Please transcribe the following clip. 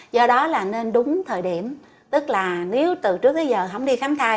do đó là nên đúng thời điểm tức là nếu từ trước đến giờ không đi khám thai